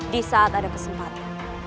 di saat ada kesempatan